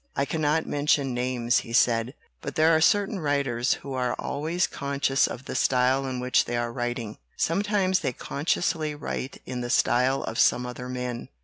"I cannot mention names," he said, "but there are certain writers who are always conscious of the style in which they are writing. Sometimes they consciously write in the style of some other men.